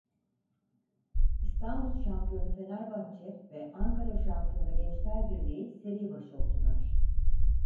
İstanbul şampiyonu Fenerbahçe ve Ankara şampiyonu Gençlerbirliği seri başı oldular.